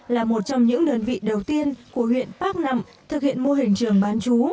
là một trong những đơn vị đầu tiên của huyện bắc nẵm thực hiện mô hình trường bán chú